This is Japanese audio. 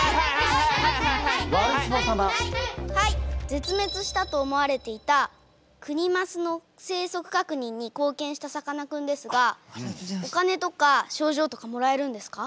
ぜつめつしたと思われていたクニマスの生息かくにんにこうけんしたさかなクンですがお金とか賞状とかもらえるんですか？